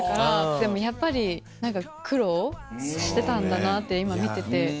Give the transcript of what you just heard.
でもやっぱり苦労してたんだなって今見てて。